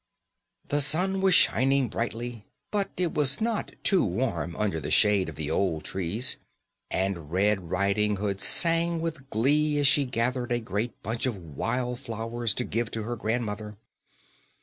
_ The sun was shining brightly, but it was not too warm under the shade of the old trees, and Red Riding Hood sang with glee as she gathered a great bunch of wild flowers to give to her grandmother.